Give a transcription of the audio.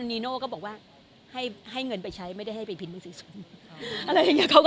ละนีโน้วก็บอกว่าให้เงินไปใช้ไม่ได้ให้ไปพิมพ์หนังสือส่วน